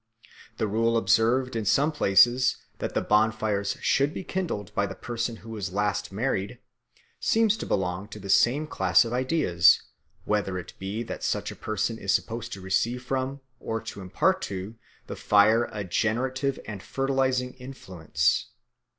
The rule observed in some places that the bonfires should be kindled by the person who was last married seems to belong to the same class of ideas, whether it be that such a person is supposed to receive from, or to impart to, the fire a generative and fertilising influence.